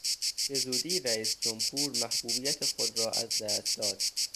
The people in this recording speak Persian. به زودی رئیس جمهور محبوبیت خود را از دست داد.